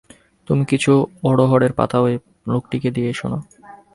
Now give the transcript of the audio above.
তুমি কিছু অড়হড়ের পাতা ঐ লোকটিকে দিয়ে এস না।